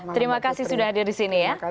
terima kasih sudah hadir di sini ya